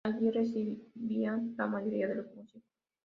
Allí residían la mayoría de los músicos.